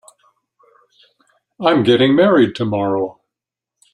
I'm getting married tomorrow.